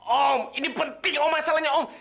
om ini penting om masalahnya om